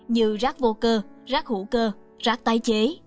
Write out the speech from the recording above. như rác vô cơ rác hữu cơ rác tái chế